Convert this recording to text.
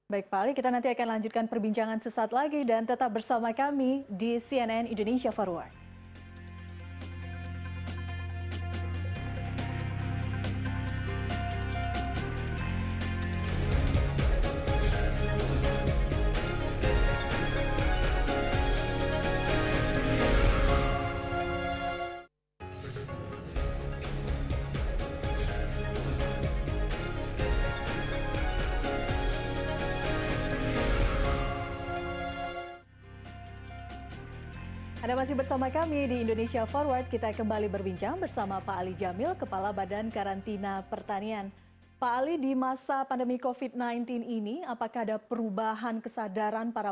baik pali kita nanti akan lanjutkan perbincangan sesaat lagi dan tetap bersama kami di cnn indonesia forward